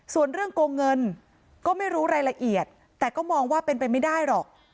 ส่วนเรื่องโกงเงินก็ไม่รู้รายละเอียดแต่ก็มองว่าเป็นไปไม่ได้หรอก